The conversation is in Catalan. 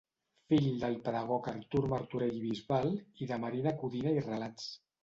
Fill del pedagog Artur Martorell i Bisbal i de Marina Codina i Relats.